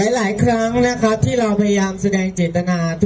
หลายครั้งนะครับที่เราพยายามแสดงเจตนา